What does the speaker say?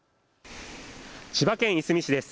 千葉県いすみ市です。